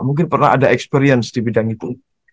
mungkin pernah ada experience di bidang itu